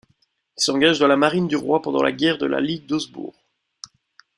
Il s'engage dans la Marine du roi pendant la guerre de la Ligue d'Augsbourg.